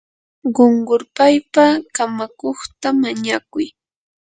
qunqurpaypa kamakuqta mañakuy.